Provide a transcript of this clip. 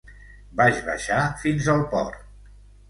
Vaig baixar fins al port.